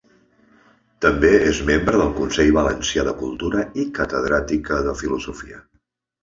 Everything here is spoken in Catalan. També és membre del Consell Valencià de Cultura i catedràtica de filosofia.